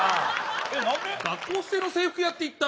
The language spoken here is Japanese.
学校指定の制服屋って言った。